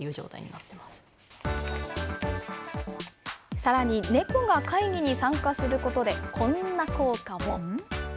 さらに、猫が会議に参加することで、こんな効果も。